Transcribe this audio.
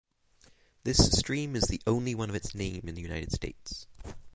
This stream is the only one of its name in the United States.